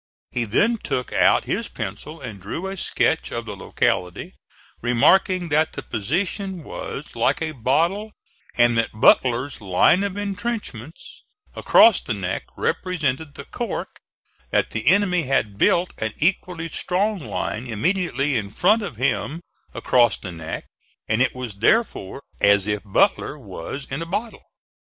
He then took out his pencil and drew a sketch of the locality, remarking that the position was like a bottle and that Butler's line of intrenchments across the neck represented the cork; that the enemy had built an equally strong line immediately in front of him across the neck; and it was therefore as if Butler was in a bottle.